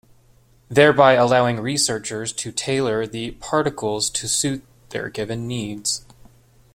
Thereby allowing researchers to tailor the particles to suit their given needs.